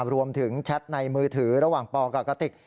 รวมถึงแชทในมือถือระหว่างปอกับกราติก